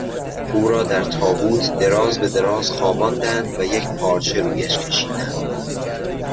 او را در تابوت دراز به دراز خواباندند و یک پارچه رویش کشیدند.